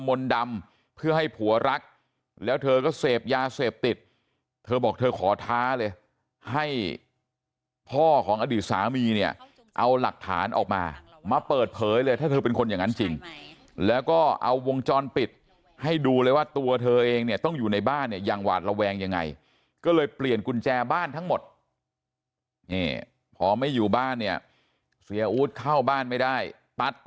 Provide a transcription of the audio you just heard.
มนต์ดำเพื่อให้ผัวรักแล้วเธอก็เสพยาเสพติดเธอบอกเธอขอท้าเลยให้พ่อของอดีตสามีเนี่ยเอาหลักฐานออกมามาเปิดเผยเลยถ้าเธอเป็นคนอย่างนั้นจริงแล้วก็เอาวงจรปิดให้ดูเลยว่าตัวเธอเองเนี่ยต้องอยู่ในบ้านเนี่ยอย่างหวาดระแวงยังไงก็เลยเปลี่ยนกุญแจบ้านทั้งหมดนี่พอไม่อยู่บ้านเนี่ยเสียอู๊ดเข้าบ้านไม่ได้ตั๊ก